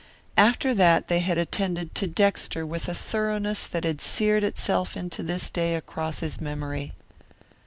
After that they had attended to Dexter with a thoroughness that had seared itself to this day across his memory.